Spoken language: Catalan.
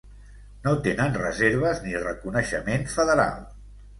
No tenen reserves ni reconeixement federal.